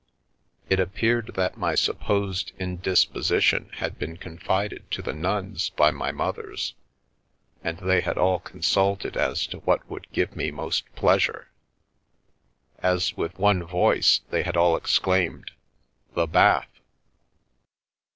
It appeared that my supposed indisposition had been confided to the nuns by my mothers, and they had all consulted as to what would give me most pleasure. As with one voice they had all exclaimed " The bath